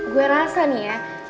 gue rasa nih ya